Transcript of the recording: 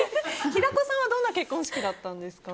平子さんはどんな結婚式だったんですか？